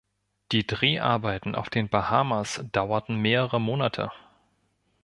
Die Dreharbeiten auf den Bahamas dauerten mehrere Monate.